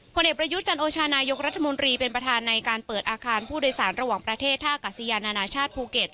เอกประยุทธ์จันโอชานายกรัฐมนตรีเป็นประธานในการเปิดอาคารผู้โดยสารระหว่างประเทศท่ากัศยานานาชาติภูเก็ต